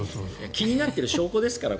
気になってる証拠ですから。